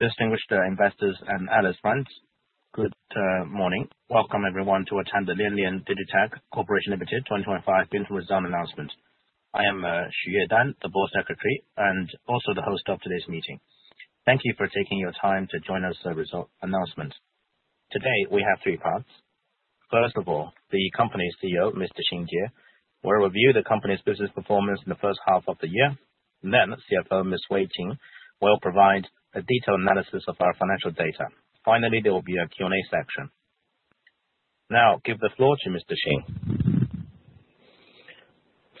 Distinguished investors and old friends, good morning. Welcome everyone to attend the Lianlian DigiTech Co., Ltd. 2025 Business Result Announcement. I am Xu Yedan, the Board Secretary, and also the host of today's meeting. Thank you for taking your time to join us for this announcement. Today, we have three parts. First of all, the company's CEO, Mr. Xin Jie, will review the company's business performance in the first half of the year. Then, CFO, Ms. Wei Ping, will provide a detailed analysis of our financial data. Finally, there will be a Q&A section. Now, give the floor to Mr. Xin.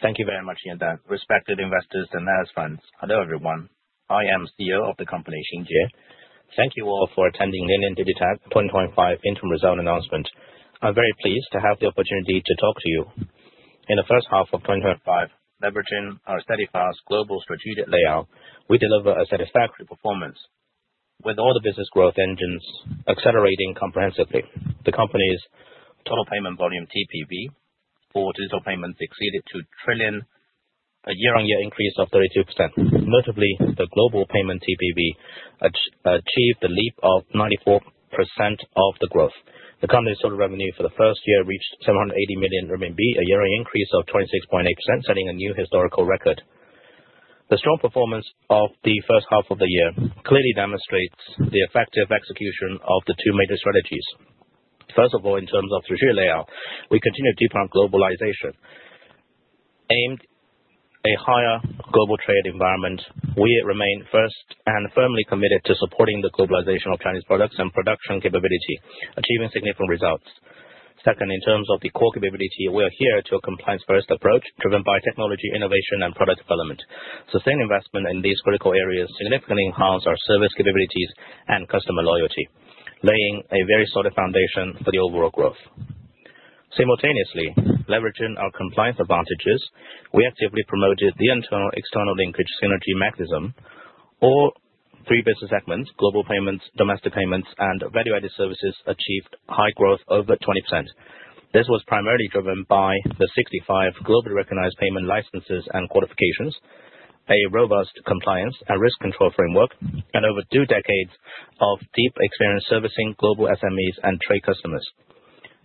Thank you very much, Xu Yedan. Respected investors and old friends, hello everyone. I am CEO of the company, Xin Jie. Thank you all for attending Lianlian DigiTech 2025 Business Result Announcement. I'm very pleased to have the opportunity to talk to you. In the first half of 2025, leveraging our steadfast global strategic layout, we deliver a satisfactory performance. With all the business growth engines accelerating comprehensively, the company's Total Payment Volume, TPV, for digital payments exceeded 2 trillion, a year-on-year increase of 32%. Notably, the global payment TPV achieved a leap of 94% of the growth. The company's total revenue for the first half reached 780 million RMB, a year-on-year increase of 26.8%, setting a new historical record. The strong performance of the first half of the year clearly demonstrates the effective execution of the two major strategies. First of all, in terms of strategic layout, we continue to promote globalization. Amid a higher global trade environment, we remain first and firmly committed to supporting the globalization of Chinese products and production capability, achieving significant results. Second, in terms of the core capability, we adhere to a compliance-first approach driven by technology innovation and product development. Sustained investment in these critical areas significantly enhanced our service capabilities and customer loyalty, laying a very solid foundation for the overall growth. Simultaneously, leveraging our compliance advantages, we actively promoted the internal-external linkage synergy mechanism. All three business segments—global payments, domestic payments, and value-added services—achieved high growth over 20%. This was primarily driven by the 65 globally recognized payment licenses and qualifications, a robust compliance and risk control framework, and over two decades of deep experience servicing global SMEs and trade customers.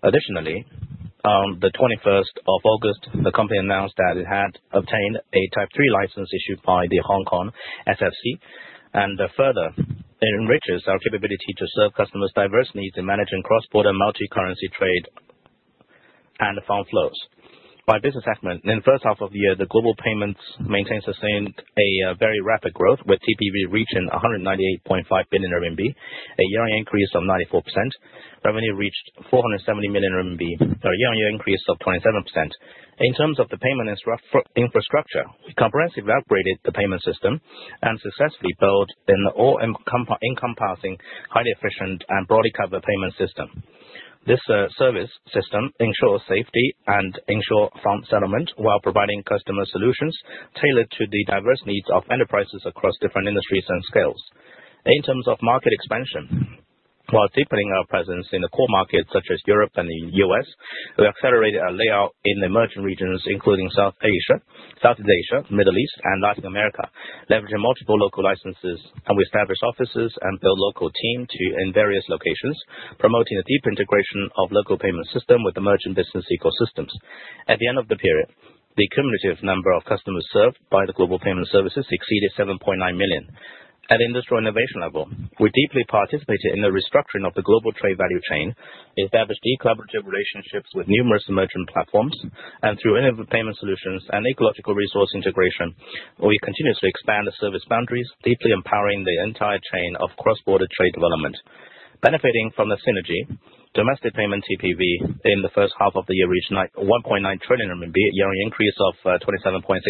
Additionally, on the 21st of August, the company announced that it had obtained a Type 3 license issued by the Hong Kong SFC, and further, it enriches our capability to serve customers' diverse needs in managing cross-border multi-currency trade and fund flows. By business segment, in the first half of the year, the global payments maintained sustained a very rapid growth, with TPV reaching 198.5 billion RMB, a year-on-year increase of 94%. Revenue reached 470 million RMB, a year-on-year increase of 27%. In terms of the payment infrastructure, we comprehensively upgraded the payment system and successfully built an all-encompassing, highly efficient, and broadly covered payment system. This service system ensures safety and ensures fund settlement while providing customer solutions tailored to the diverse needs of enterprises across different industries and scales. In terms of market expansion, while deepening our presence in the core markets such as Europe and the U.S., we accelerated our layout in emerging regions including South Asia, Southeast Asia, the Middle East, and Latin America, leveraging multiple local licenses. We established offices and built local teams in various locations, promoting a deep integration of the local payment system with emerging business ecosystems. At the end of the period, the cumulative number of customers served by the global payment services exceeded 7.9 million. At the industrial innovation level, we deeply participated in the restructuring of the global trade value chain, established deep collaborative relationships with numerous emerging platforms, and through innovative payment solutions and ecological resource integration, we continuously expanded service boundaries, deeply empowering the entire chain of cross-border trade development. Benefiting from the synergy, domestic payment TPV in the first half of the year reached 1.9 trillion RMB, a year-on-year increase of 27.6%.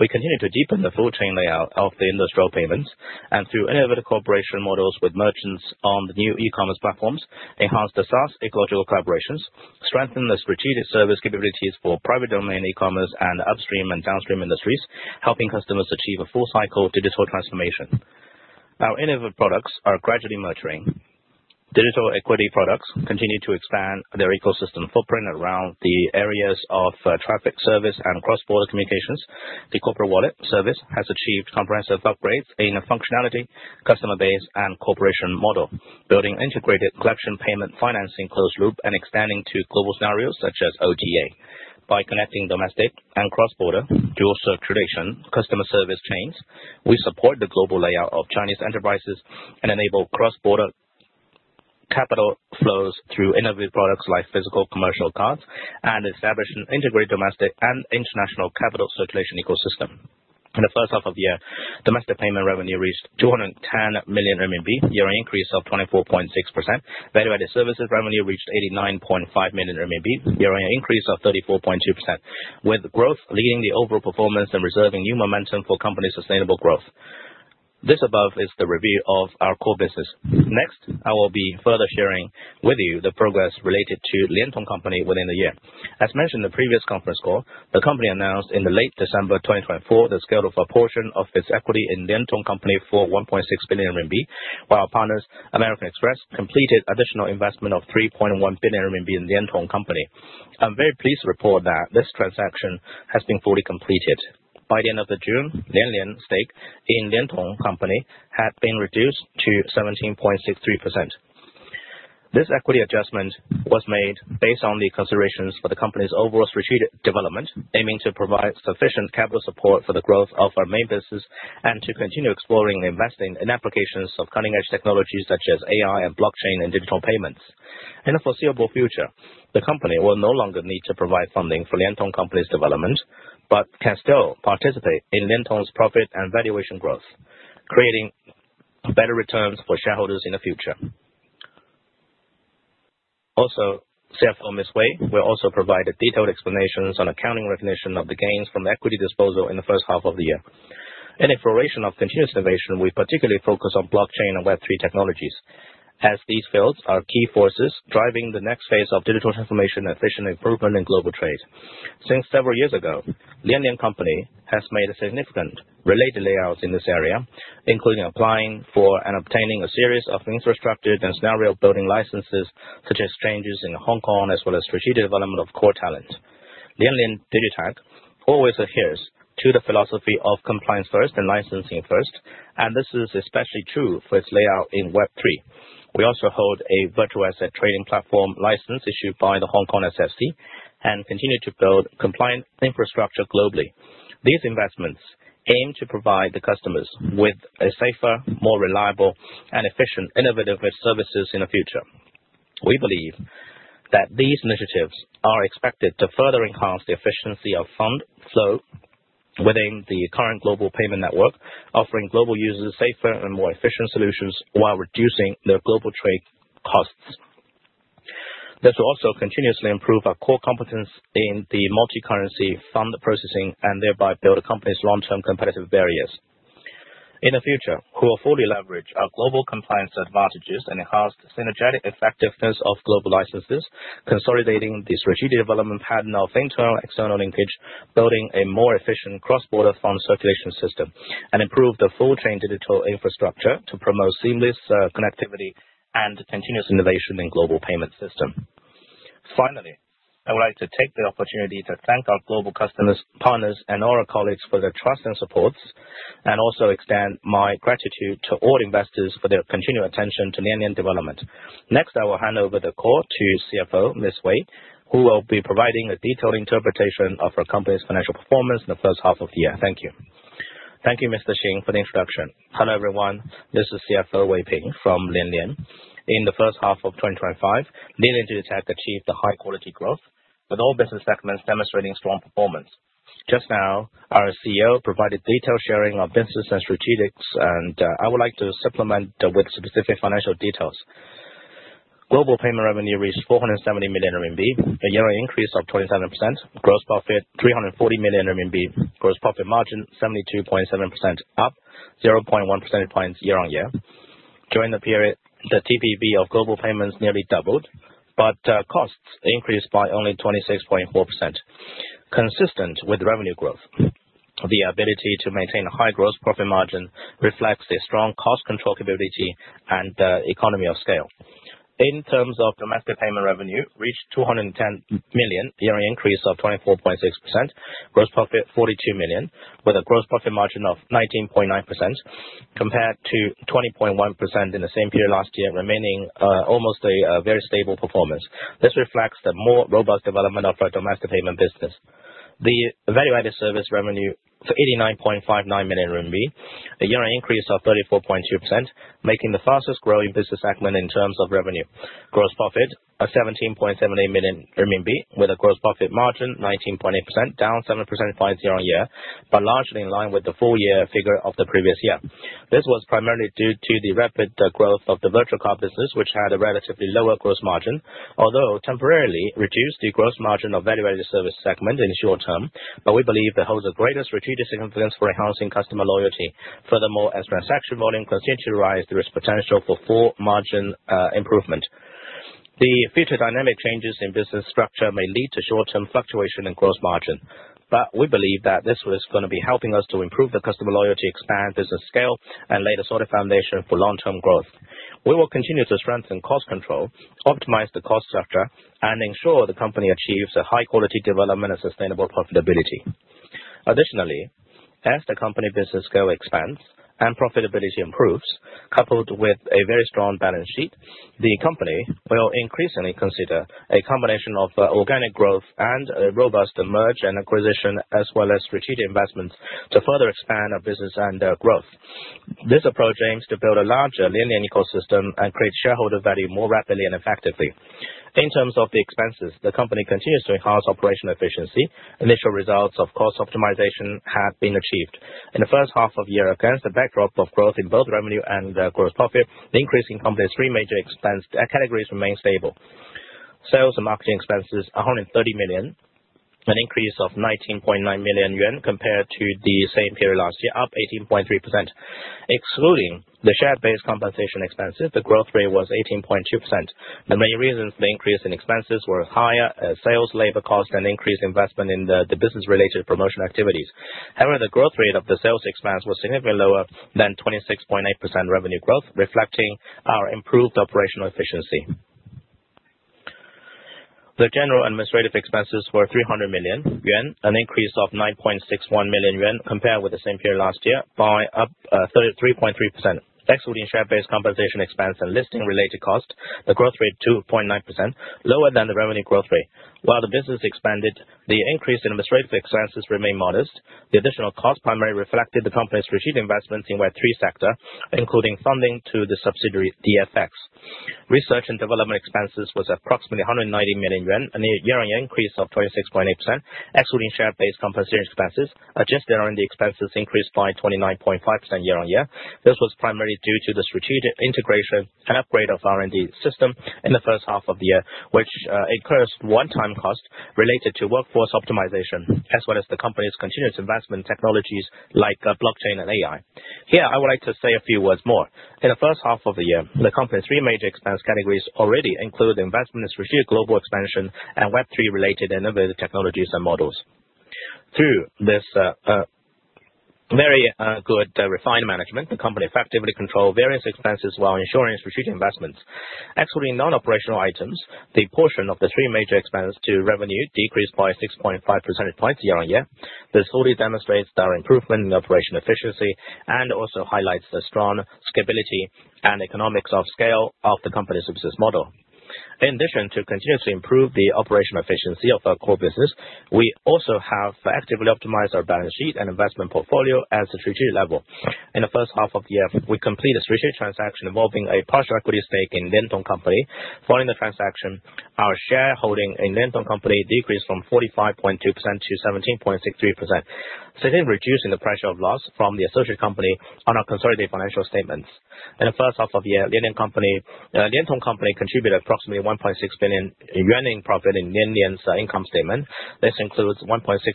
We continue to deepen the full chain layout of the industrial payments, and through innovative cooperation models with merchants on the new e-commerce platforms, enhanced the SaaS ecological collaborations, strengthened the strategic service capabilities for private domain e-commerce and upstream and downstream industries, helping customers achieve a full cycle digital transformation. Our innovative products are gradually maturing. Digital equity products continue to expand their ecosystem footprint around the areas of traffic service and cross-border communications. The corporate wallet service has achieved comprehensive upgrades in functionality, customer base, and corporate model, building an integrated collection payment financing closed loop and expanding to global scenarios such as OTA. By connecting domestic and cross-border dual circulation customer service chains, we support the global layout of Chinese enterprises and enable cross-border capital flows through innovative products like physical commercial cards and establish an integrated domestic and international capital circulation ecosystem. In the first half of the year, domestic payment revenue reached 210 million RMB, a year-on-year increase of 24.6%. Value-added services revenue reached 89.5 million RMB, a year-on-year increase of 34.2%, with growth leading the overall performance and reserving new momentum for company sustainable growth. This above is the review of our core business. Next, I will be further sharing with you the progress related to LianTong Company within the year. As mentioned in the previous conference call, the company announced in late December 2024 the sale of a portion of its equity in LianTong Company for 1.6 billion RMB, while our partners, American Express, completed additional investment of 3.1 billion RMB in LianTong Company. I'm very pleased to report that this transaction has been fully completed. By the end of June, Lianlian stake in LianTong Company had been reduced to 17.63%. This equity adjustment was made based on the considerations for the company's overall strategic development, aiming to provide sufficient capital support for the growth of our main business and to continue exploring and investing in applications of cutting-edge technologies such as AI and blockchain and digital payments. In the foreseeable future, the company will no longer need to provide funding for LianTong Company's development, but can still participate in LianTong's profit and valuation growth, creating better returns for shareholders in the future. Also, CFO Ms. Wei will also provide detailed explanations on accounting recognition of the gains from equity disposal in the first half of the year. In exploration of continuous innovation, we particularly focus on blockchain and Web3 technologies, as these fields are key forces driving the next phase of digital transformation and efficient improvement in global trade. Since several years ago, Lianlian Company has made significant related layouts in this area, including applying for and obtaining a series of infrastructure and scenario-building licenses such as exchanges in Hong Kong, as well as strategic development of core talent. Lianlian DigiTech always adheres to the philosophy of compliance first and licensing first, and this is especially true for its layout in Web3. We also hold a virtual asset trading platform license issued by the Hong Kong SFC and continue to build compliant infrastructure globally. These investments aim to provide the customers with safer, more reliable, and efficient innovative services in the future. We believe that these initiatives are expected to further enhance the efficiency of fund flow within the current global payment network, offering global users safer and more efficient solutions while reducing their global trade costs. This will also continuously improve our core competence in the multi-currency fund processing and thereby build a company's long-term competitive barriers. In the future, we will fully leverage our global compliance advantages and enhance the synergetic effectiveness of global licenses, consolidating the strategic development pattern of internal-external linkage, building a more efficient cross-border fund circulation system, and improve the full chain digital infrastructure to promote seamless connectivity and continuous innovation in the global payment system. Finally, I would like to take the opportunity to thank our global customers, partners, and our colleagues for their trust and support, and also extend my gratitude to all investors for their continued attention to Lianlian development. Next, I will hand over the call to CFO, Ms. Wei, who will be providing a detailed interpretation of our company's financial performance in the first half of the year. Thank you. Thank you, Mr. Xin, for the introduction. Hello everyone. This is CFO, Wei Ping, from Lianlian. In the first half of 2025. Lianlian have achieved high-quality growth, with all business segments demonstrating strong performance. Just now, our CEO provided detailed sharing of business and strategies, and I would like to supplement with specific financial details. Global payment revenue reached 470 million RMB, a year-on-year increase of 27%, gross profit 340 million RMB, gross profit margin 72.7%, up 0.1 percentage points year-on-year. During the period, the TPV of global payments nearly doubled, but costs increased by only 26.4%, consistent with revenue growth. The ability to maintain a high gross profit margin reflects a strong cost-control capability and economies of scale. In terms of domestic payment revenue, it reached 210 million, a year-on-year increase of 24.6%, gross profit 42 million, with a gross profit margin of 19.9%, compared to 20.1% in the same period last year, remaining almost a very stable performance. This reflects the more robust development of our domestic payment business. The value-added service revenue is 89.59 million RMB, a year-on-year increase of 34.2%, making the fastest-growing business segment in terms of revenue. Gross profit is 17.78 million RMB, with a gross profit margin of 19.8%, down 7 percentage points year-on-year, but largely in line with the full-year figure of the previous year. This was primarily due to the rapid growth of the virtual card business, which had a relatively lower gross margin, although temporarily reduced the gross margin of the value-added service segment in the short term. But we believe it holds the greatest strategic significance for enhancing customer loyalty. Furthermore, as transaction volume continues to rise, there is potential for full margin improvement. The future dynamic changes in business structure may lead to short-term fluctuation in gross margin, but we believe that this is going to be helping us to improve the customer loyalty, expand business scale, and lay the solid foundation for long-term growth. We will continue to strengthen cost control, optimize the cost structure, and ensure the company achieves a high-quality development and sustainable profitability. Additionally, as the company business scale expands and profitability improves, coupled with a very strong balance sheet, the company will increasingly consider a combination of organic growth and robust merge and acquisition, as well as strategic investments, to further expand our business and growth. This approach aims to build a larger Lianlian ecosystem and create shareholder value more rapidly and effectively. In terms of the expenses, the company continues to enhance operational efficiency. Initial results of cost optimization have been achieved. In the first half of the year, against the backdrop of growth in both revenue and gross profit, the increase in the company's three major expense categories remains stable. Sales and marketing expenses are 130 million, an increase of 19.9 million yuan compared to the same period last year, up 18.3%. Excluding the share-based compensation expenses, the growth rate was 18.2%. The main reasons for the increase in expenses were higher sales labor costs and increased investment in the business-related promotion activities. However, the growth rate of the sales expense was significantly lower than 26.8% revenue growth, reflecting our improved operational efficiency. The general administrative expenses were 300 million yuan, an increase of 9.61 million yuan compared with the same period last year, up by 3.3%. Excluding share-based compensation expense and listing-related costs, the growth rate was 2.9%, lower than the revenue growth rate. While the business expanded, the increase in administrative expenses remained modest. The additional cost primarily reflected the company's strategic investments in Web3 sector, including funding to the subsidiary DFX. Research and development expenses were approximately 190 million yuan, a year-on-year increase of 26.8%. Excluding share-based compensation expenses, adjusted R&D expenses increased by 29.5% year-on-year. This was primarily due to the strategic integration and upgrade of the R&D system in the first half of the year, which incurred one-time costs related to workforce optimization, as well as the company's continuous investment in technologies like blockchain and AI. Here, I would like to say a few words more. In the first half of the year, the company's three major expense categories already include investment in strategic global expansion and Web3-related innovative technologies and models. Through this very good refined management, the company effectively controlled various expenses while ensuring strategic investments. Excluding non-operational items, the portion of the three major expenses to revenue decreased by 6.5 percentage points year-on-year. This fully demonstrates our improvement in operational efficiency and also highlights the strong scalability and economies of scale of the company's business model. In addition to continuously improving the operational efficiency of our core business, we also have actively optimized our balance sheet and investment portfolio at the strategic level. In the first half of the year, we completed a strategic transaction involving a partial equity stake in LianTong Company. Following the transaction, our shareholding in LianTong Company decreased from 45.2% to 17.63%, significantly reducing the pressure of loss from the associated company on our consolidated financial statements. In the first half of the year, LianTong Company contributed approximately 1.6 billion yuan in profit in Lianlian's income statement. This includes 1.6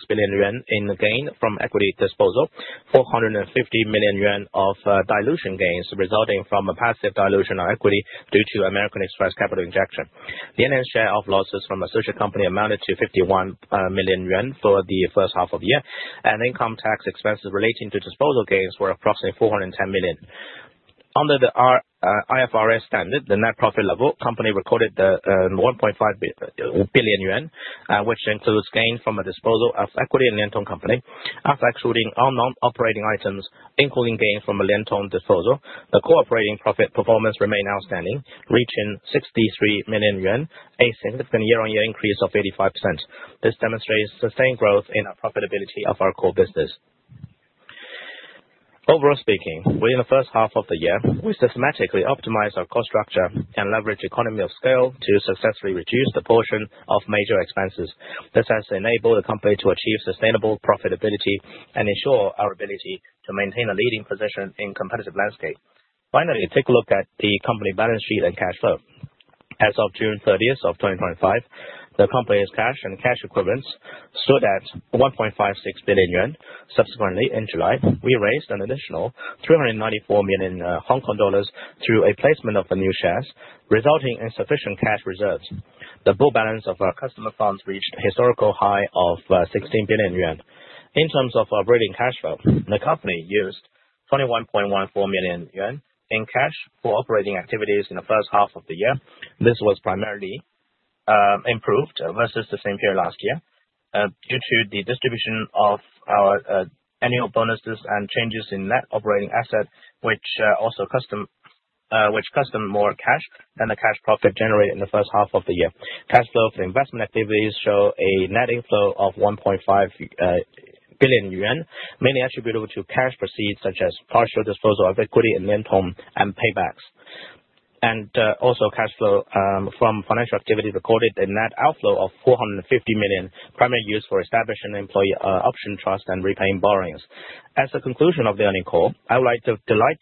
billion yuan in gain from equity disposal, 450 million yuan of dilution gains resulting from a passive dilution of equity due to American Express capital injection. Lianlian's share of losses from the associated company amounted to 51 million yuan for the first half of the year, and income tax expenses relating to disposal gains were approximately 410 million. Under the IFRS standard, the net profit the company recorded 1.5 billion yuan, which includes gains from the disposal of equity in LianTong Company. After excluding all non-operating items, including gains from LianTong disposal, the operating profit performance remained outstanding, reaching 63 million yuan, a significant year-on-year increase of 85%. This demonstrates sustained growth in the profitability of our core business. Overall speaking, within the first half of the year, we systematically optimized our cost structure and leveraged economies of scale to successfully reduce the portion of major expenses. This has enabled the company to achieve sustainable profitability and ensure our ability to maintain a leading position in the competitive landscape. Finally, take a look at the company balance sheet and cash flow. As of June 30, 2025, the company's cash and cash equivalents stood at 1.56 billion yuan. Subsequently, in July, we raised an additional 394 million Hong Kong dollars through a placement of new shares, resulting in sufficient cash reserves. The book balance of our customer funds reached a historical high of 16 billion yuan. In terms of operating cash flow, the company used 21.14 million yuan in cash for operating activities in the first half of the year. This was primarily improved versus the same period last year due to the distribution of our annual bonuses and changes in net operating asset, which cost them more cash than the cash profit generated in the first half of the year. Cash flow for investment activities showed a net inflow of 1.5 billion yuan, mainly attributable to cash proceeds such as partial disposal of equity in LianTong and paybacks. Also, cash flow from financial activity recorded a net outflow of 450 million, primarily used for establishing employee option trusts and repaying borrowings. As a conclusion of the earnings call, I would like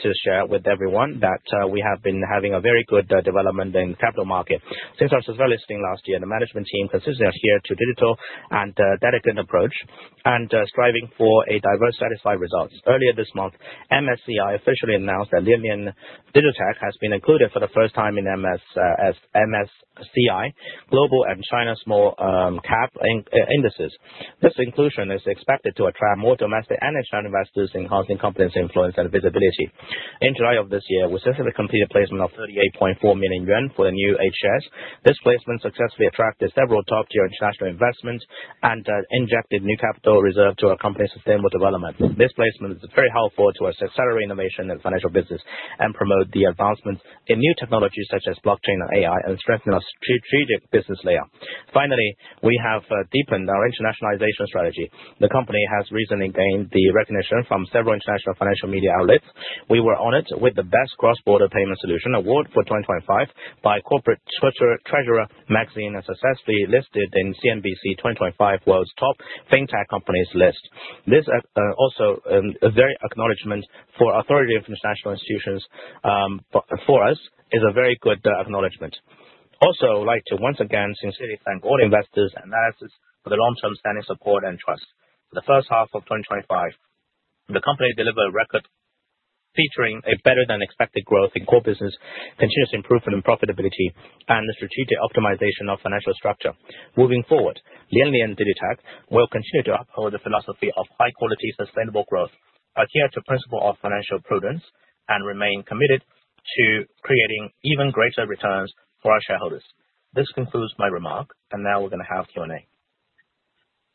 to share with everyone that we have been having a very good development in the capital market. Since our HKEX listing last year, the management team consistently adhered to a digital and data-driven approach, striving for diverse and satisfied results. Earlier this month, MSCI officially announced that Lianlian DigiTech has been included for the first time in MSCI Global and China Small Cap indices. This inclusion is expected to attract more domestic and international investors, enhancing competence, influence, and visibility. In July of this year, we successfully completed a placement of 38.4 million yuan for the new H shares. This placement successfully attracted several top-tier international investments and injected new capital reserves to our company's sustainable development. This placement is very helpful to accelerate innovation in the financial business and promote the advancements in new technologies such as blockchain and AI, and strengthen our strategic business layer. Finally, we have deepened our internationalization strategy. The company has recently gained recognition from several international financial media outlets. We were honored with the Best Cross-Border Payment Solution Award for 2025 by The Corporate Treasurer magazine, and successfully listed in CNBC's 2025 World's Top Fintech Companies list. This is also a very good acknowledgment from the authority of international institutions for us. It is a very good acknowledgment. Also, I would like to once again sincerely thank all investors and analysts for their long-standing support and trust. For the first half of 2025, the company delivered record results, featuring a better-than-expected growth in core business, continuous improvement in profitability, and the strategic optimization of financial structure. Moving forward, Lianlian DigiTech will continue to uphold the philosophy of high-quality, sustainable growth, adhere to the principle of financial prudence, and remain committed to creating even greater returns for our shareholders. This concludes my remark, and now we're going to have Q&A.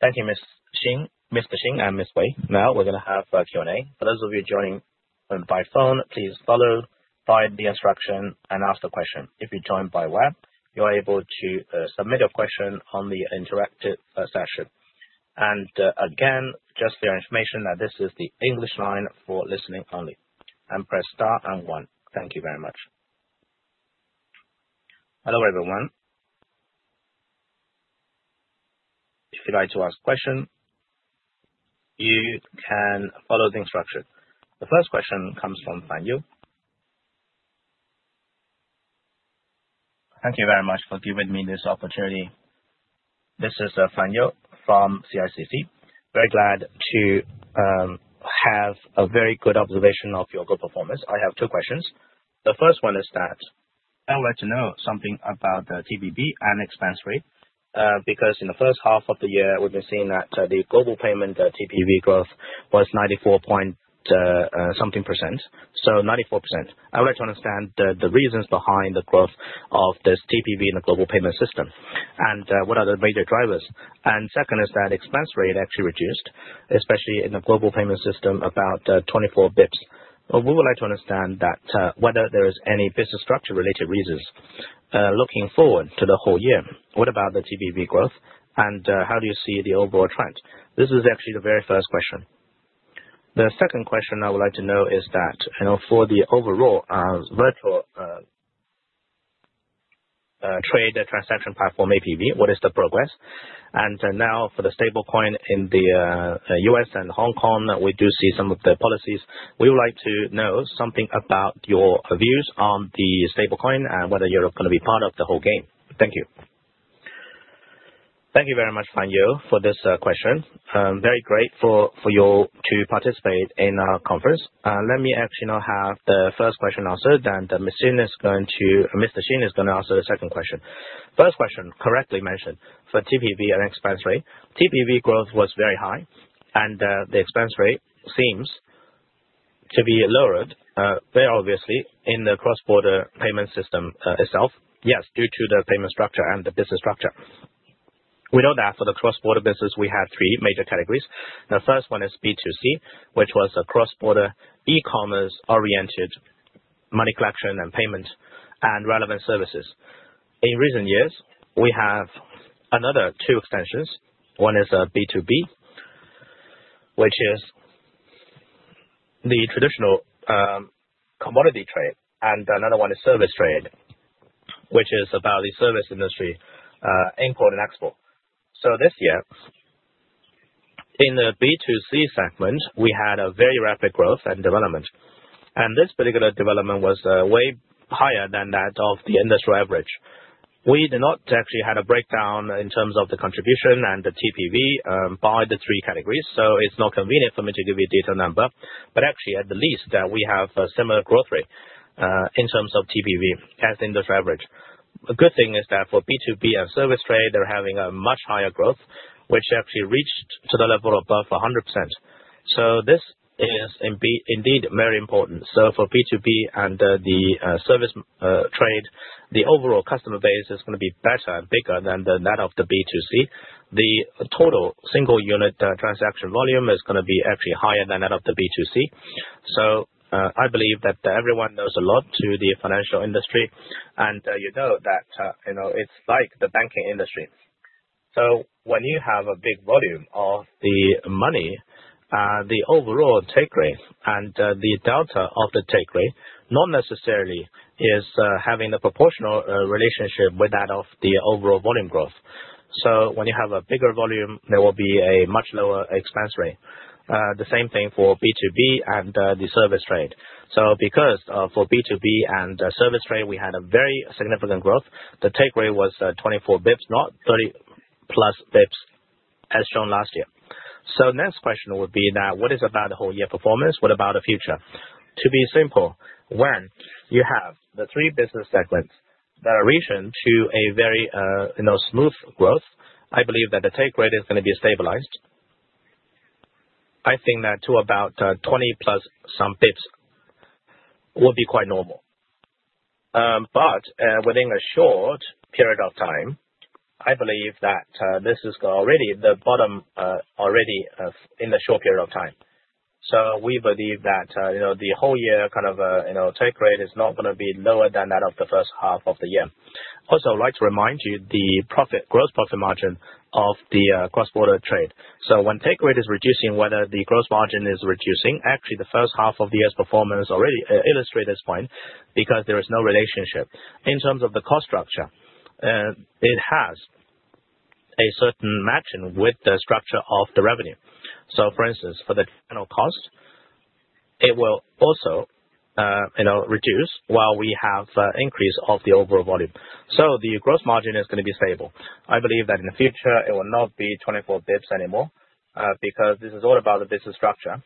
Thank you, Mr. Xin and Ms. Wei. Now, we're going to have a Q&A. For those of you joining by phone, please follow the instruction and ask the question. If you join by web, you are able to submit your question on the interactive session. And again, just for your information, this is the English line for listening only. And press star and one. Thank you very much. Hello, everyone. If you'd like to ask a question, you can follow the instruction. The first question comes from Fan Yu. Thank you very much for giving me this opportunity. This is Fan Yu from CICC. Very glad to have a very good observation of your good performance. I have two questions. The first one is that I would like to know something about the TPV and expense rate, because in the first half of the year, we've been seeing that the global payment TPV growth was 94 point something percent. So, 94%. I would like to understand the reasons behind the growth of this TPV in the global payment system and what are the major drivers. Second is that expense rate actually reduced, especially in the global payment system, about 24 basis points. We would like to understand whether there are any business structure-related reasons looking forward to the whole year. What about the TPV growth, and how do you see the overall trend? This is actually the very first question. The second question I would like to know is that for the overall virtual asset trading platform TPV, what is the progress? And now, for the stablecoin in the U.S. and Hong Kong, we do see some of the policies. We would like to know something about your views on the stablecoin and whether you're going to be part of the whole game? Thank you. Thank you very much, Fan Yu, for this question. Very grateful for you to participate in our conference. Let me actually now have the first question answered, and Mr. Xin is going to answer the second question. First question, correctly mentioned, for TPV and expense rate, TPV growth was very high, and the expense rate seems to be lowered, very obviously, in the cross-border payment system itself. Yes, due to the payment structure and the business structure. We know that for the cross-border business, we have three major categories. The first one is B2C, which was a cross-border e-commerce-oriented money collection and payment and relevant services. In recent years, we have another two extensions. One is B2B, which is the traditional commodity trade, and another one is service trade, which is about the service industry, import and export. So, this year, in the B2C segment, we had a very rapid growth and development. And this particular development was way higher than that of the industrial average. We did not actually have a breakdown in terms of the contribution and the TPV by the three categories. So, it's not convenient for me to give you a detailed number, but actually, at the least, we have a similar growth rate in terms of TPV as the industrial average. The good thing is that for B2B and service trade, they're having a much higher growth, which actually reached to the level above 100%. So, this is indeed very important. So, for B2B and the service trade, the overall customer base is going to be better and bigger than that of the B2C. The total single-unit transaction volume is going to be actually higher than that of the B2C. So, I believe that everyone knows a lot about the financial industry, and you know that it's like the banking industry. So, when you have a big volume of the money, the overall take rate and the delta of the take rate not necessarily is having a proportional relationship with that of the overall volume growth. So, when you have a bigger volume, there will be a much lower expense rate. The same thing for B2B and the service trade. Because for B2B and service trade, we had a very significant growth, the take rate was 24 basis points, not 30+ basis points, as shown last year. The next question would be that what is about the whole year performance? What about the future? To be simple, when you have the three business segments that are reaching to a very smooth growth, I believe that the take rate is going to be stabilized. I think that to about 20+ some basis points would be quite normal. But within a short period of time, I believe that this is already the bottom already in the short period of time. We believe that the whole year kind of take rate is not going to be lower than that of the first half of the year. Also, I would like to remind you the gross profit margin of the cross-border trade. So, when take rate is reducing, whether the gross margin is reducing, actually the first half of the year's performance already illustrates this point because there is no relationship. In terms of the cost structure, it has a certain matching with the structure of the revenue. So, for instance, for the channel cost, it will also reduce while we have an increase of the overall volume. So, the gross margin is going to be stable. I believe that in the future, it will not be 24 basis points anymore because this is all about the business structure,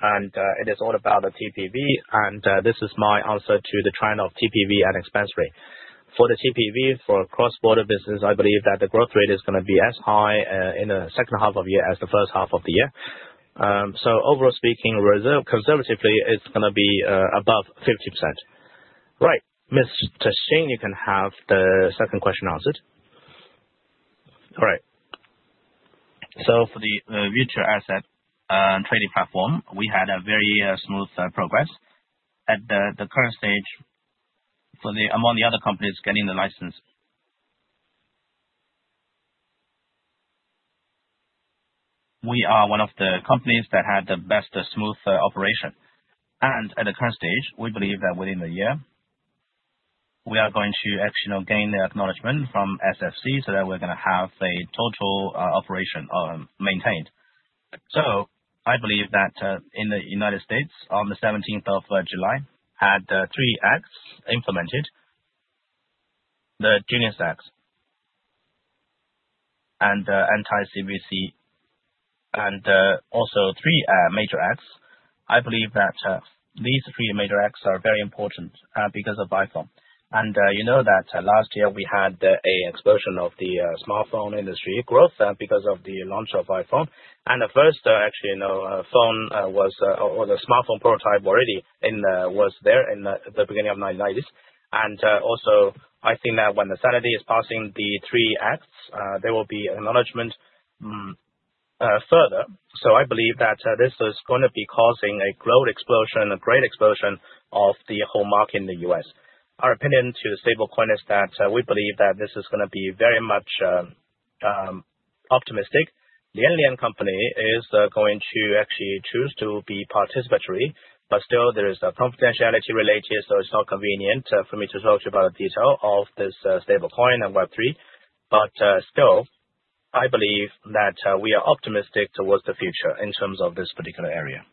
and it is all about the TPV, and this is my answer to the trend of TPV and expense rate. For the TPV, for cross-border business, I believe that the growth rate is going to be as high in the second half of the year as the first half of the year. So, overall speaking, conservatively, it's going to be above 50%. Right, Mr. Xin, you can have the second question answered. All right. So, for the virtual asset trading platform, we had a very smooth progress. At the current stage, among the other companies getting the license, we are one of the companies that had the best smooth operation. And at the current stage, we believe that within the year, we are going to actually gain the acknowledgment from SFC so that we're going to have a total operation maintained. So, I believe that in the United States, on the 17th of July, had three acts implemented: the GENIUS Act and the Anti-CBDC, and also three major acts. I believe that these three major acts are very important because of iPhone. You know that last year, we had an explosion of the smartphone industry growth because of the launch of iPhone. And the first actually phone was, or the smartphone prototype already was there in the beginning of the 1990s. And also, I think that when the Senate is passing these acts, there will be acceleration further. So, I believe that this is going to be causing a growth explosion, a great explosion of the whole market in the U.S. Our opinion to the stablecoin is that we believe that this is going to be very much optimistic. Lianlian Company is going to actually choose to be participatory, but still, there is confidentiality related, so it's not convenient for me to talk to you about the detail of this stablecoin and Web3. But still, I believe that we are optimistic towards the future in terms of this particular area.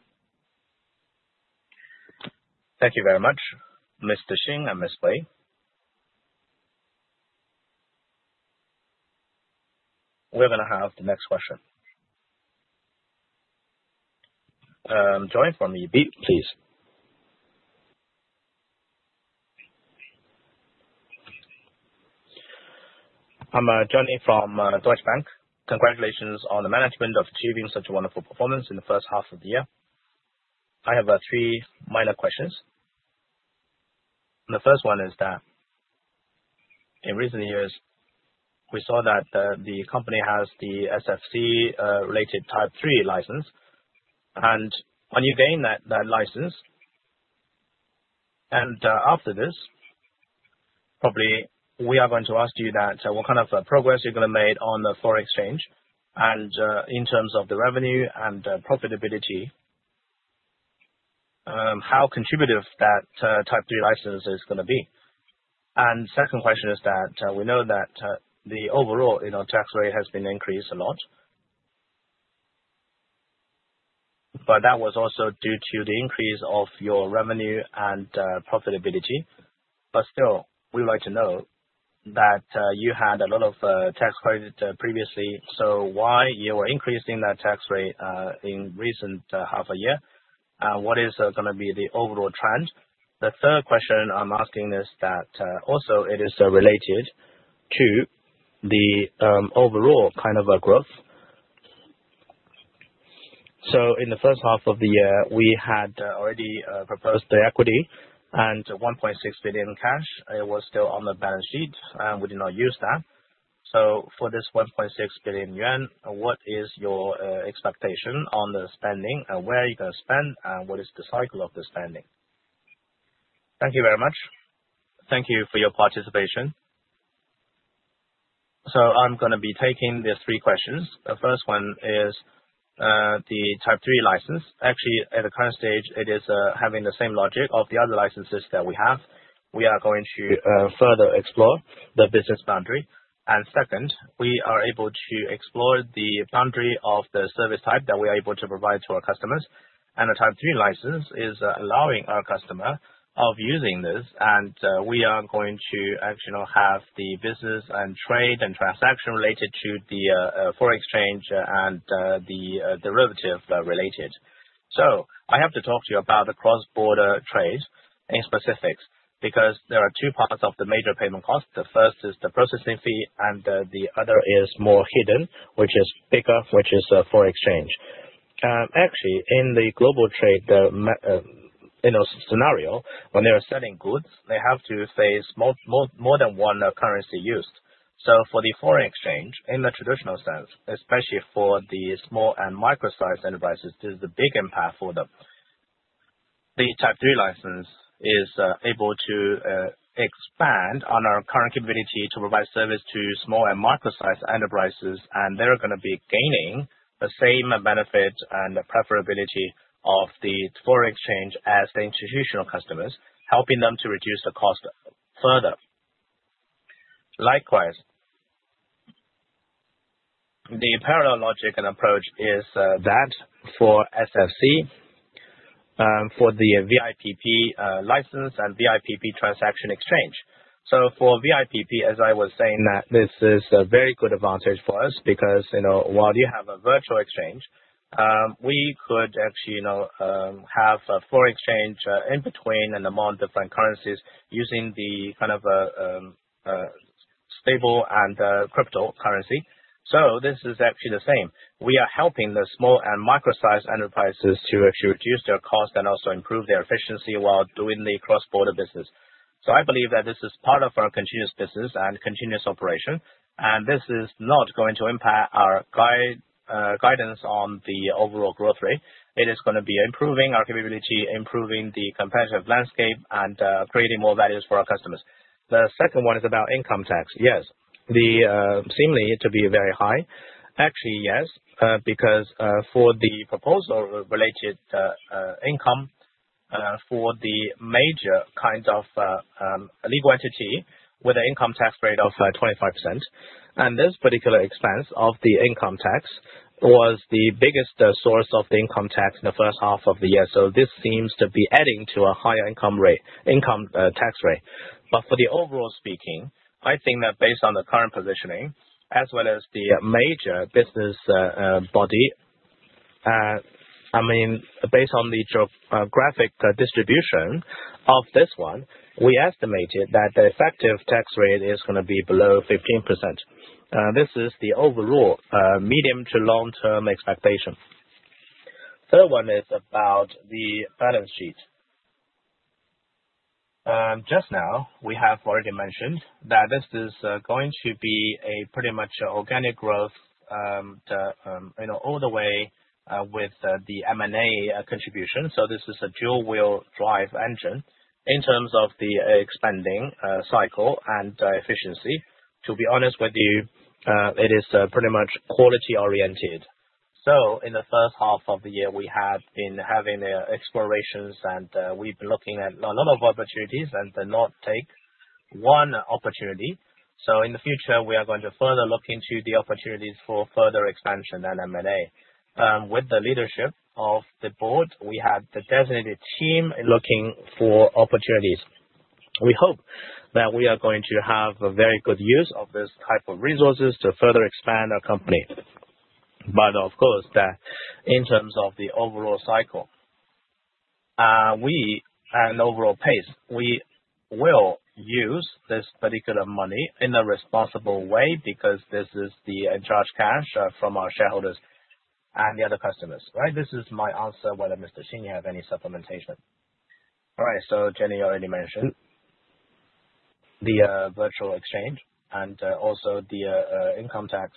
Thank you very much, Mr. Xin and Ms. Wei. We're going to have the next question. Question from DB, please. I'm Johnny from Deutsche Bank. Congratulations on the management of achieving such a wonderful performance in the first half of the year. I have three minor questions. The first one is that in recent years, we saw that the company has the SFC-related Type 3 license. And when you gain that license, and after this, probably we are going to ask you that what kind of progress you're going to make on the foreign exchange. And in terms of the revenue and profitability, how contributive that Type 3 license is going to be. And the second question is that we know that the overall tax rate has been increased a lot, but that was also due to the increase of your revenue and profitability. But still, we would like to know that you had a lot of tax credits previously, so why you were increasing that tax rate in the recent half a year, and what is going to be the overall trend? The third question I'm asking is that also it is related to the overall kind of growth. So, in the first half of the year, we had already proposed the equity and 1.6 billion cash. It was still on the balance sheet, and we did not use that. So, for this 1.6 billion yuan, what is your expectation on the spending, and where are you going to spend, and what is the cycle of the spending? Thank you very much. Thank you for your participation. So, I'm going to be taking these three questions. The first one is the Type 3 license. Actually, at the current stage, it is having the same logic of the other licenses that we have. We are going to further explore the business boundary, and second, we are able to explore the boundary of the service type that we are able to provide to our customers. The Type 3 license is allowing our customer of using this, and we are going to actually have the business and trade and transaction related to the foreign exchange and the derivative related, so I have to talk to you about the cross-border trade in specifics because there are two parts of the major payment cost. The first is the processing fee, and the other is more hidden, which is bigger, which is foreign exchange. Actually, in the global trade scenario, when they are selling goods, they have to face more than one currency used. For the foreign exchange, in the traditional sense, especially for the small and micro-sized enterprises, this is a big impact for them. The Type 3 license is able to expand on our current capability to provide service to small and micro-sized enterprises, and they're going to be gaining the same benefit and preferability of the foreign exchange as the institutional customers, helping them to reduce the cost further. Likewise, the parallel logic and approach is that for SFC, for the VATP license and VATP. So, for VATP, as I was saying, this is a very good advantage for us because while you have a virtual exchange, we could actually have a foreign exchange in between and among different currencies using the kind of stable and crypto currency. So, this is actually the same. We are helping the small and micro-sized enterprises to actually reduce their cost and also improve their efficiency while doing the cross-border business. So, I believe that this is part of our continuous business and continuous operation, and this is not going to impact our guidance on the overall growth rate. It is going to be improving our capability, improving the competitive landscape, and creating more values for our customers. The second one is about income tax. Yes, it seems to be very high. Actually, yes, because for the proposal-related income for the major kind of legal entity with an income tax rate of 25%. And this particular expense of the income tax was the biggest source of the income tax in the first half of the year. So, this seems to be adding to a higher income tax rate. But for the overall speaking, I think that based on the current positioning, as well as the major business body, I mean, based on the geographic distribution of this one, we estimated that the effective tax rate is going to be below 15%. This is the overall medium to long-term expectation. The third one is about the balance sheet. Just now, we have already mentioned that this is going to be a pretty much organic growth all the way with the M&A contribution. So, this is a dual-wheel drive engine in terms of the expanding cycle and efficiency. To be honest with you, it is pretty much quality-oriented. So, in the first half of the year, we have been having explorations, and we've been looking at a lot of opportunities and not take one opportunity. So, in the future, we are going to further look into the opportunities for further expansion and M&A. With the leadership of the board, we have the designated team looking for opportunities. We hope that we are going to have a very good use of this type of resources to further expand our company. But of course, in terms of the overall cycle and overall pace, we will use this particular money in a responsible way because this is the charged cash from our shareholders and the other customers. Right? This is my answer. Do you, Mr. Xin, have any supplementation? All right. So, Johnny as already mentioned the virtual exchange and also the income tax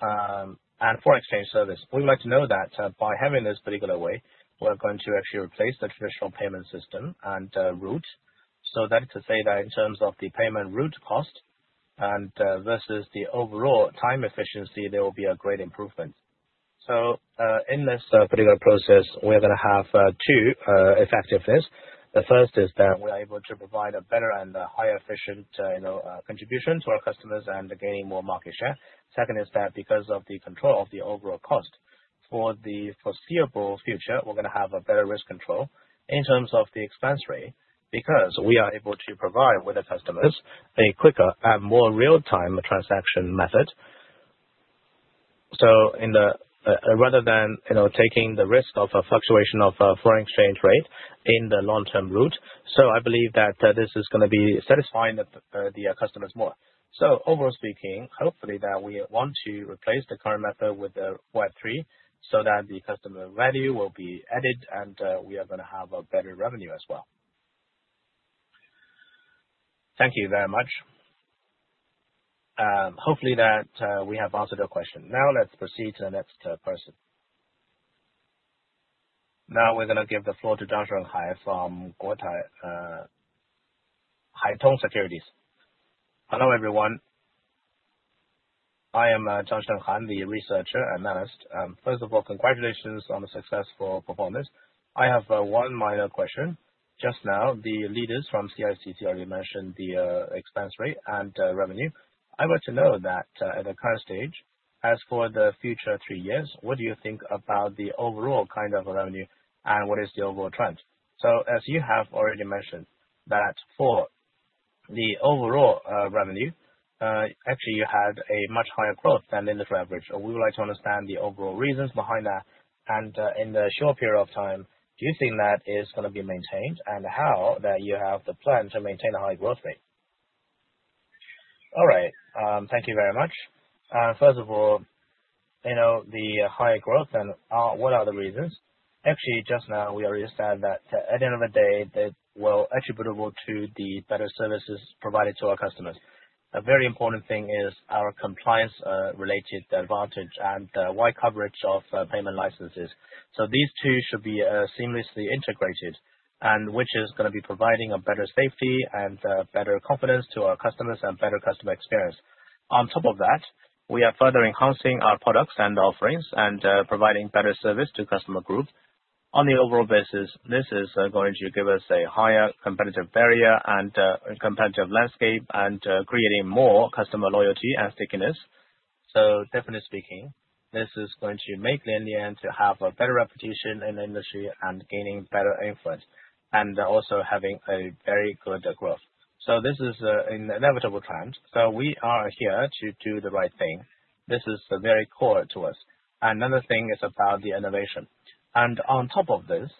and foreign exchange service. We'd like to know that by having this particular way, we're going to actually replace the traditional payment system and route. That is to say that in terms of the payment route cost and versus the overall time efficiency, there will be a great improvement. In this particular process, we are going to have two effectiveness. The first is that we are able to provide a better and higher efficient contribution to our customers and gaining more market share. Second is that because of the control of the overall cost, for the foreseeable future, we're going to have a better risk control in terms of the expense rate because we are able to provide with our customers a quicker and more real-time transaction method. Rather than taking the risk of a fluctuation of a foreign exchange rate in the long-term route, I believe that this is going to be satisfying the customers more. So, overall speaking, hopefully that we want to replace the current method with the Web3 so that the customer value will be added and we are going to have a better revenue as well. Thank you very much. Hopefully that we have answered your question. Now, let's proceed to the next person. Now, we're going to give the floor to Liheng Tian from Guotai Junan Securities. Hello, everyone. I am Liheng Tian, the researcher and analyst. First of all, congratulations on the successful performance. I have one minor question. Just now, the leaders from CICC already mentioned the expense rate and revenue. I would like to know that at the current stage, as for the future three years, what do you think about the overall kind of revenue and what is the overall trend? As you have already mentioned that for the overall revenue, actually you had a much higher growth than the literal average. We would like to understand the overall reasons behind that. And in the short period of time, do you think that is going to be maintained and how that you have the plan to maintain a high growth rate? All right. Thank you very much. First of all, the high growth and what are the reasons? Actually, just now, we already said that at the end of the day, it will be attributable to the better services provided to our customers. A very important thing is our compliance-related advantage and wide coverage of payment licenses. These two should be seamlessly integrated, which is going to be providing a better safety and better confidence to our customers and better customer experience. On top of that, we are further enhancing our products and offerings and providing better service to customer groups. On the overall basis, this is going to give us a higher competitive barrier and competitive landscape and creating more customer loyalty and stickiness, so, definitely speaking, this is going to make Lianlian to have a better reputation in the industry and gaining better influence and also having a very good growth, so, this is an inevitable trend, so, we are here to do the right thing. This is very core to us. Another thing is about the innovation, and on top of this,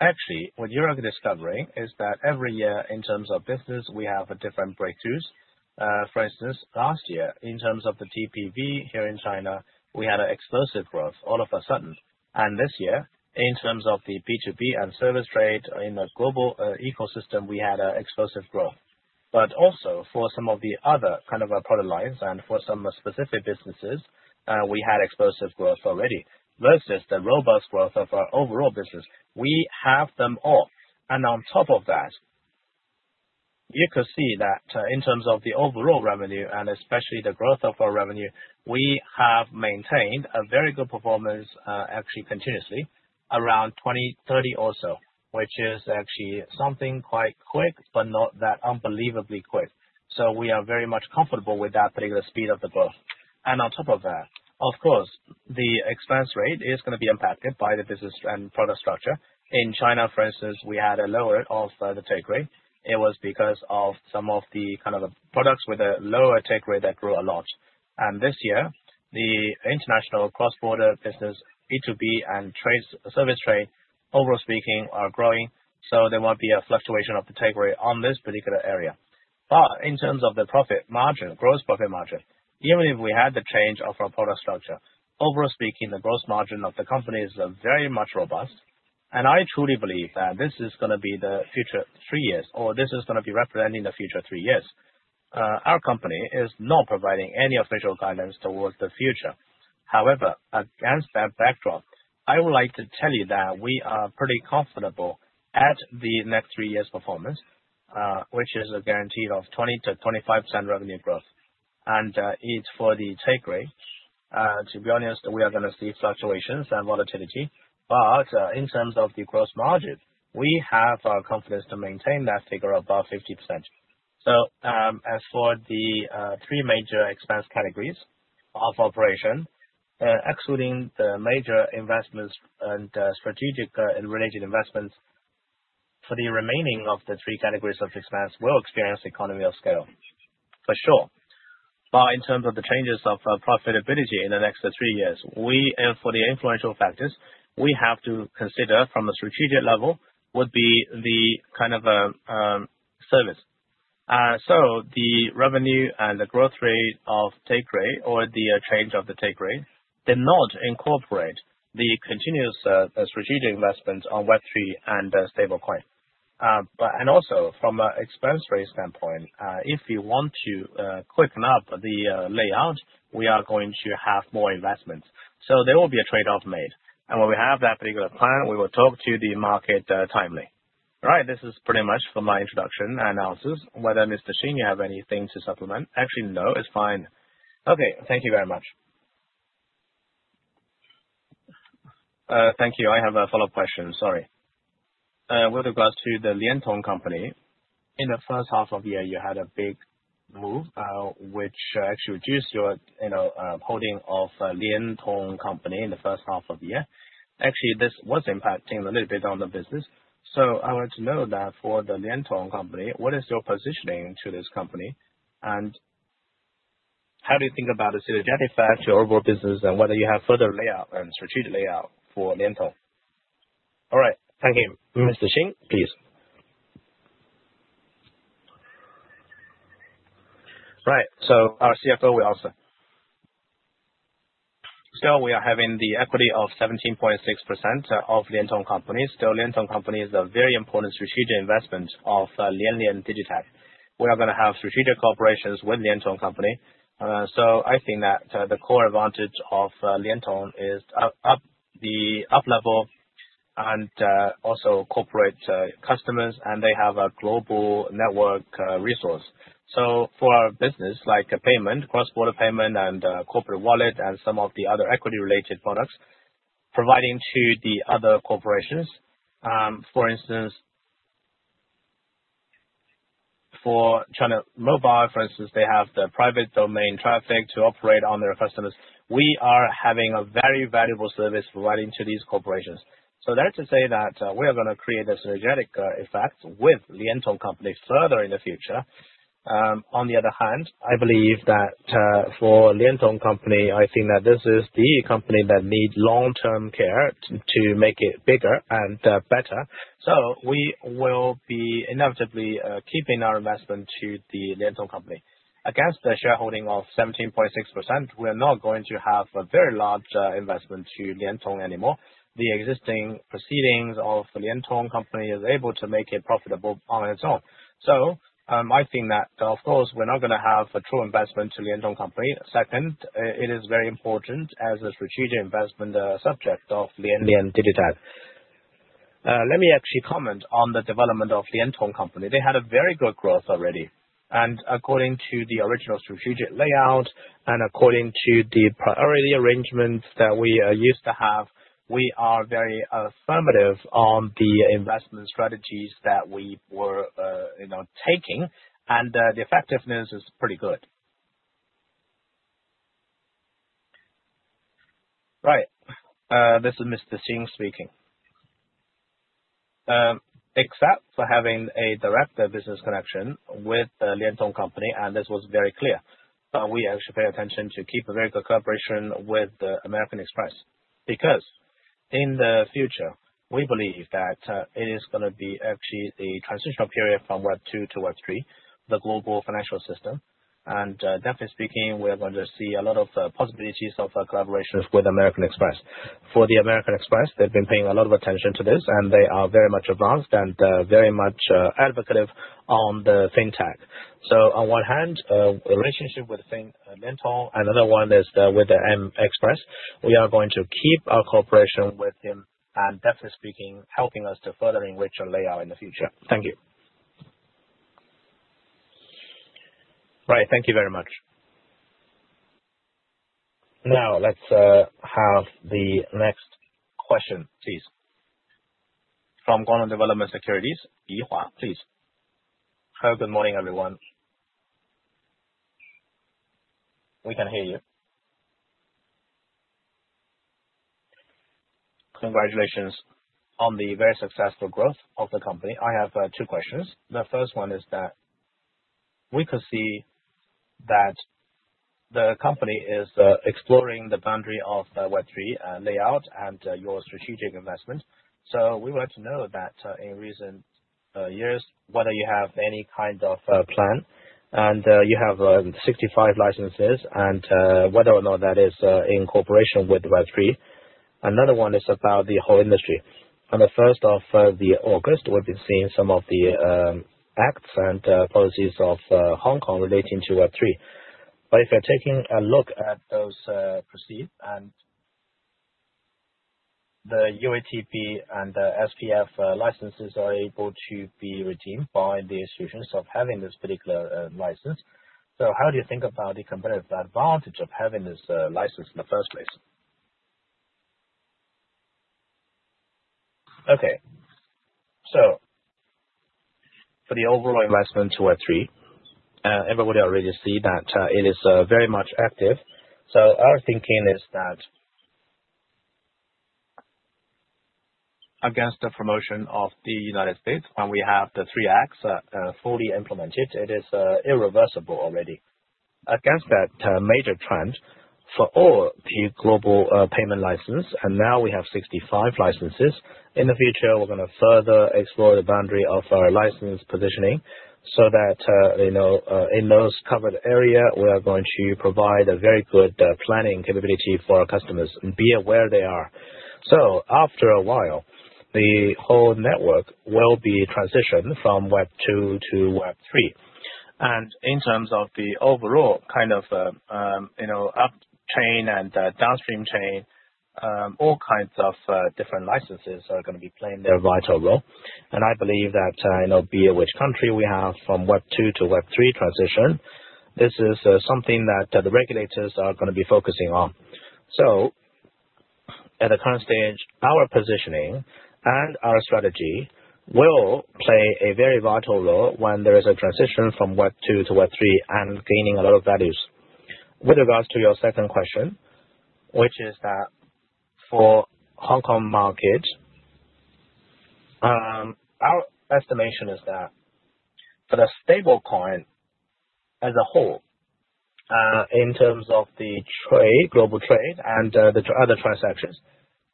actually, what you're discovering is that every year in terms of business, we have different breakthroughs. For instance, last year in terms of the TPV here in China, we had an explosive growth all of a sudden. This year, in terms of the B2B and service trade in the global ecosystem, we had an explosive growth. Also, for some of the other kind of product lines and for some specific businesses, we had explosive growth already versus the robust growth of our overall business. We have them all. On top of that, you could see that in terms of the overall revenue and especially the growth of our revenue, we have maintained a very good performance actually continuously around 20%-30% or so, which is actually something quite quick, but not that unbelievably quick. We are very much comfortable with that particular speed of the growth. On top of that, of course, the expense rate is going to be impacted by the business and product structure. In China, for instance, we had a lower take rate. It was because of some of the kind of products with a lower take rate that grew a lot. And this year, the international cross-border business, B2B and trade service trade, overall speaking, are growing. So, there might be a fluctuation of the take rate on this particular area. But in terms of the profit margin, gross profit margin, even if we had the change of our product structure, overall speaking, the gross margin of the company is very much robust. And I truly believe that this is going to be the future three years or this is going to be representing the future three years. Our company is not providing any official guidance towards the future. However, against that backdrop, I would like to tell you that we are pretty comfortable at the next three years' performance, which is a guarantee of 20%-25% revenue growth. It's for the take rate. To be honest, we are going to see fluctuations and volatility. In terms of the gross margin, we have confidence to maintain that figure above 50%. As for the three major expense categories of operation, excluding the major investments and strategic and related investments, for the remaining of the three categories of expense, we'll experience economy of scale for sure. In terms of the changes of profitability in the next three years, for the influential factors, we have to consider from a strategic level would be the kind of service. The revenue and the growth rate of take rate or the change of the take rate did not incorporate the continuous strategic investments on Web3 and stablecoin. From an expense rate standpoint, if we want to quicken up the layout, we are going to have more investments. So, there will be a trade-off made. And when we have that particular plan, we will talk to the market timely. All right. This is pretty much for my introduction and analysis. Whether Mr. Xin. you have anything to supplement? Actually, no, it's fine. Okay. Thank you very much. Thank you. I have a follow-up question. Sorry. With regards to the LianTong Company, in the first half of the year, you had a big move, which actually reduced your holding of LianTong Company in the first half of the year. Actually, this was impacting a little bit on the business. So, I want to know that for the LianTong Company, what is your positioning to this company? And how do you think about the synergetic factor overall business and whether you have further layout and strategic layout for LianTong? All right. Thank you. Mr. Xin, please. Right. So, our CFO will answer. So, we are having the equity of 17.6% of LianTong Company. So, LianTong Company is a very important strategic investment of Lianlian DigiTech. We are going to have stratgic cooperations with LianTong Company. So, I think that the core advantage of LianTong is the up-level and also corporate customers, and they have a global network resource. So, for our business, like payment, cross-border payment and corporate wallet and some of the other equity-related products providing to the other corporations. For instance, for China Mobile, for instance, they have the private domain traffic to operate on their customers. We are having a very valuable service providing to these corporations. So, that is to say that we are going to create a synergetic effect with LianTong Company further in the future. On the other hand, I believe that for LianTong Company, I think that this is the company that needs long-term care to make it bigger and better. So, we will be inevitably keeping our investment to the LianTong Company. Against the shareholding of 17.6%, we are not going to have a very large investment to Lian Tong anymore. The existing proceeds of LianTong Company is able to make it profitable on its own. So, I think that, of course, we're not going to have a true investment to LianTong Company. Second, it is very important as a strategic investment subject of Lianlian DigiTech. Let me actually comment on the development of LianTong Company. They had a very good growth already. According to the original strategic layout and according to the priority arrangements that we used to have, we are very affirmative on the investment strategies that we were taking. And the effectiveness is pretty good. Right. This is Mr. Xin speaking. Except for having a direct business connection with LianTong Company, and this was very clear, we actually pay attention to keep a very good collaboration with American Express. Because in the future, we believe that it is going to be actually the transitional period from Web2 to Web3, the global financial system. And definitely speaking, we are going to see a lot of possibilities of collaborations with American Express. For the American Express, they've been paying a lot of attention to this, and they are very much advanced and very much advocative on the fintech. So, on one hand, the relationship with LianTong, another one is with American Express. We are going to keep our cooperation with him and definitely speaking, helping us to further enrich our layout in the future. Thank you. Right. Thank you very much. Now, let's have the next question, please. From Guangdong Development Securities, Yihua, please. Hello, good morning, everyone. We can hear you. Congratulations on the very successful growth of the company. I have two questions. The first one is that we could see that the company is exploring the boundary of Web3 layout and your strategic investment. So, we would like to know that in recent years, whether you have any kind of plan and you have SFC licenses and whether or not that is in cooperation with Web3. Another one is about the whole industry. On the 1st of August, we've been seeing some of the acts and policies of Hong Kong relating to Web3, but if you're taking a look at those policies and the VATP and SFC licenses are able to be redeemed by the institutions of having this particular license, so how do you think about the competitive advantage of having this license in the first place? Okay, so for the overall investment to Web3, everybody already sees that it is very much active. So, our thinking is that against the promotion of the United States when we have the three acts fully implemented, it is irreversible already. Against that major trend for all the global payment license, and now we have 65 licenses. In the future, we're going to further explore the boundary of our license positioning so that in those covered areas, we are going to provide a very good planning capability for our customers and be where they are, so after a while, the whole network will be transitioned from Web2 to Web3, and in terms of the overall kind of upstream and downstream chain, all kinds of different licenses are going to be playing their vital role, and I believe that be in which country we have from Web2 to Web3 transition, this is something that the regulators are going to be focusing on, so at the current stage, our positioning and our strategy will play a very vital role when there is a transition from Web2 to Web3 and gaining a lot of values. With regards to your second question, which is that for Hong Kong market, our estimation is that for the stablecoin as a whole, in terms of the global trade and the other transactions,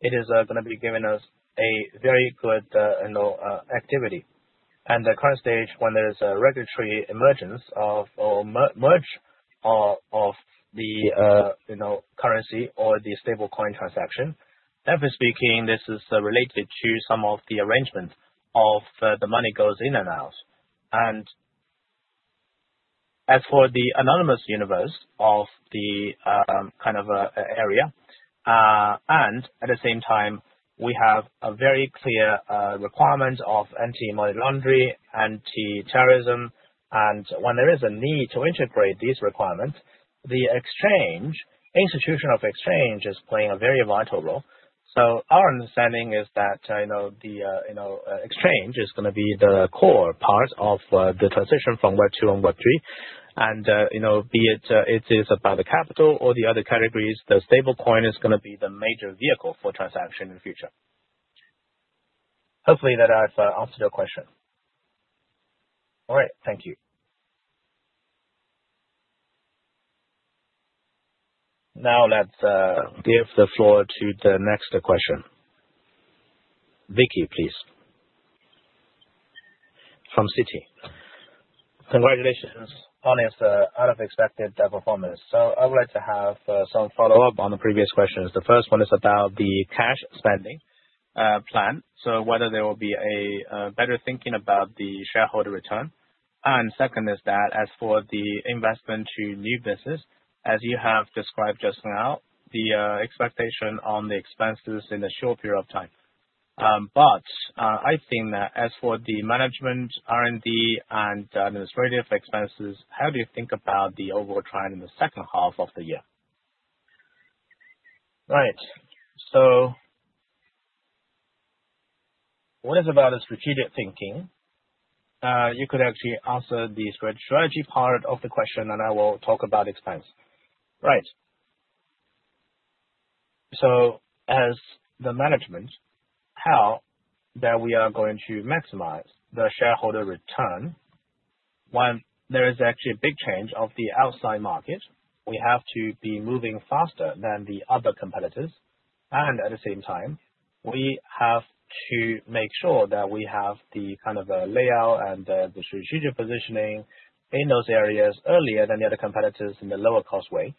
it is going to be giving us a very good activity, and at the current stage, when there is a regulatory emergence or merge of the currency or the stablecoin transaction, definitely speaking, this is related to some of the arrangement of the money goes in and out, and as for the anonymous universe of the kind of area, and at the same time, we have a very clear requirement of anti-money laundering, anti-terrorism, and when there is a need to integrate these requirements, the exchange, institution of exchange, is playing a very vital role, so, our understanding is that the exchange is going to be the core part of the transition from Web2 to Web3. And whether it is about the capital or the other categories, the stablecoin is going to be the major vehicle for transaction in the future. Hopefully, that I've answered your question. All right. Thank you. Now, let's give the floor to the next question. Vicky, please. From Citi. Congratulations. Honest, out of expected performance. So, I would like to have some follow-up on the previous questions. The first one is about the cash spending plan, so whether there will be a better thinking about the shareholder return. And second is that as for the investment to new business, as you have described just now, the expectation on the expenses in the short period of time. But I think that as for the management, R&D, and administrative expenses, how do you think about the overall trend in the second half of the year? Right. So, what is about the strategic thinking? You could actually answer the strategy part of the question, and I will talk about expense. Right. So, as the management, how that we are going to maximize the shareholder return when there is actually a big change of the outside market, we have to be moving faster than the other competitors. And at the same time, we have to make sure that we have the kind of layout and the strategic positioning in those areas earlier than the other competitors in the lower cost way.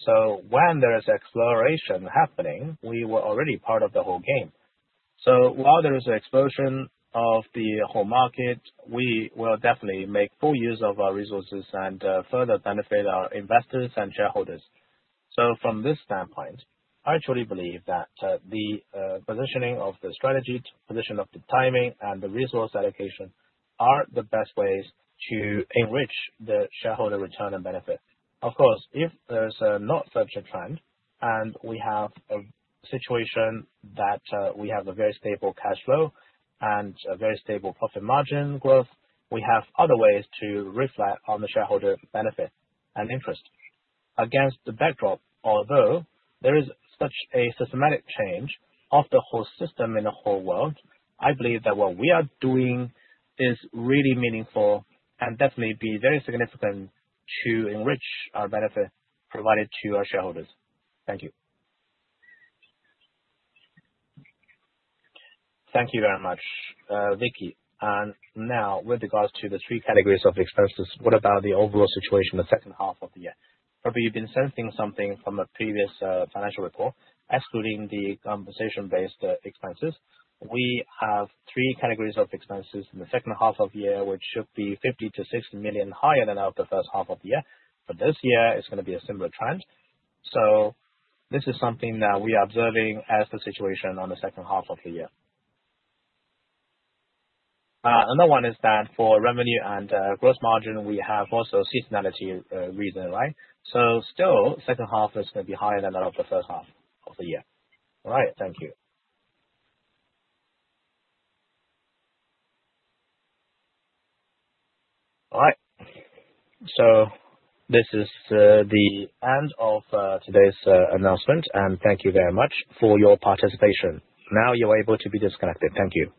So, when there is exploration happening, we were already part of the whole game. So, while there is an explosion of the whole market, we will definitely make full use of our resources and further benefit our investors and shareholders. From this standpoint, I truly believe that the positioning of the strategy, position of the timing, and the resource allocation are the best ways to enrich the shareholder return and benefit. Of course, if there's not such a trend and we have a situation that we have a very stable cash flow and a very stable profit margin growth, we have other ways to reflect on the shareholder benefit and interest. Against the backdrop, although there is such a systematic change of the whole system in the whole world, I believe that what we are doing is really meaningful and definitely be very significant to enrich our benefit provided to our shareholders. Thank you. Thank you very much, Vicky. Now, with regards to the three categories of expenses, what about the overall situation in the second half of the year? Probably you've been sensing something from a previous financial report, excluding the compensation-based expenses. We have three categories of expenses in the second half of the year, which should be 50 million-60 million higher than the first half of the year. But this year, it's going to be a similar trend. So, this is something that we are observing as the situation on the second half of the year. Another one is that for revenue and gross margin, we have also seasonality reasons, right? So, still, second half is going to be higher than that of the first half of the year. All right. Thank you. All right. So, this is the end of today's announcement, and thank you very much for your participation. Now, you're able to be disconnected. Thank you.